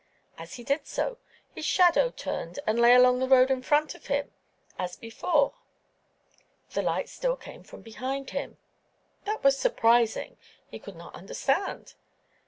As he did so, his shadow turned and lay along the road in front of him as before. The light still came from behind him. That was surprising; he could not understand.